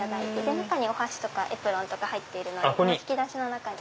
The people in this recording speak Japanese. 中にお箸とかエプロンとか入っているので引き出しの中に。